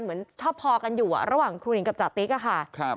เหมือนชอบพอกันอยู่ระหว่างครูหนิงกับจติ๊กอะค่ะ